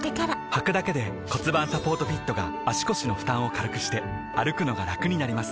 はくだけで骨盤サポートフィットが腰の負担を軽くして歩くのがラクになります